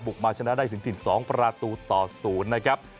มาชนะได้ถึงถิ่น๒ประตูต่อ๐นะครับ